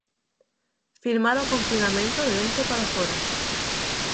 Filmar o confinamento de dentro para fóra.